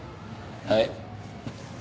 はい。